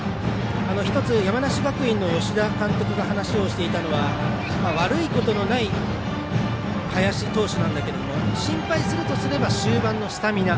山梨学院の吉田監督が話をしていたのは悪いことのない林投手なんだけれども心配するといえば終盤のスタミナ。